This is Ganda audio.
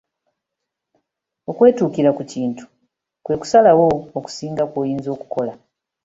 Okwetuukira ku kintu kwe kusalawo okusinga kw'oyinza okukola.